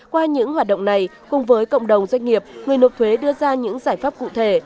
qua những hoạt động này cùng với cộng đồng doanh nghiệp người nộp thuế đưa ra những giải pháp cụ thể